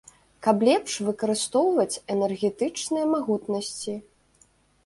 Каб лепш выкарыстоўваць энергетычныя магутнасці.